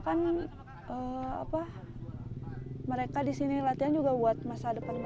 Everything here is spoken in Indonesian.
padahal kan mereka di sini latihan juga buat masa depan mereka juga